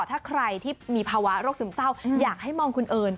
แล้วก็ถ้าใครที่มีภาวะโรคซึมเจ้าอยากให้มองคุณเอิญ